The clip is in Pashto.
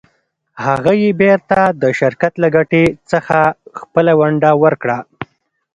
هغه یې بېرته د شرکت له ګټې څخه خپله ونډه ورکړه.